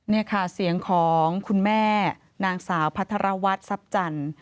นี่ค่ะเสียงของคุณแม่นางสาวพัทรวัฒน์ทรัพย์จันทร์